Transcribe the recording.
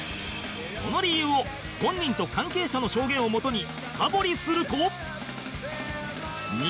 その理由を本人と関係者の証言をもとに深掘りすると